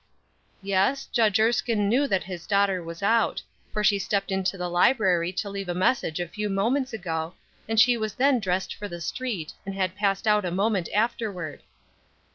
Yes, Judge Erskine knew that his daughter was out, for she stepped into the library to leave a message a few moments ago, and she was then dressed for the street, and had passed out a moment afterward.